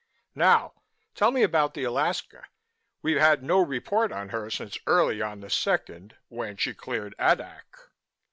Now, tell me about the Alaska. We've had no report on her since early on the second, when she cleared Adak."